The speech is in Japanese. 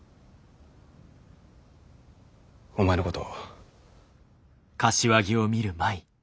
お前のこと。